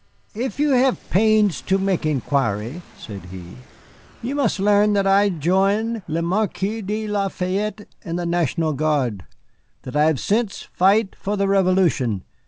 "If you hev pains to mek inquiry," said he, "you must learn that I join le Marquis de La Fayette and the National Guard. That I have since fight for the Revolution.